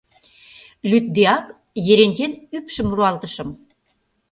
Лӱддеак Ерентен ӱпшым руалтышым.